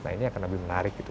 nah ini akan lebih menarik gitu